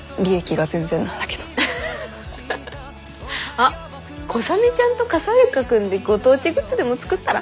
あっコサメちゃんと傘イルカくんでご当地グッズでも作ったら？